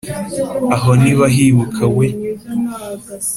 aho ntibahibuka we!